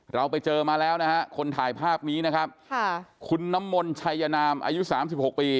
เราไปเจอมาแล้วนะฮะคนถ่ายภาพนี้นะครับคุณน้ำมนชัยนามอายุ๓๖ปี